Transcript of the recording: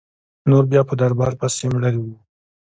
نور بیا په دربار پسي مړه وه.